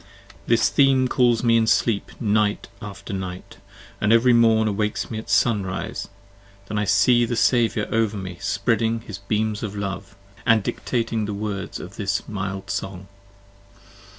r I "'HIS theme calls me in sleep night after night, & ev'ry morn Awakes me at sun rise, then I see the Saviour over me 5 Spreading his beams of love, & dictating the words of this mild song.